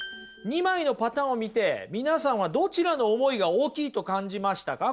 ２枚のパターンを見て皆さんはどちらの思いが大きいと感じましたか？